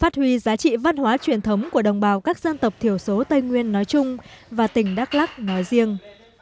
thuy giá trị văn hóa truyền thống của đồng bào các dân tập thiểu số tây nguyên nói chung và tỉnh đắk lắc nói riêng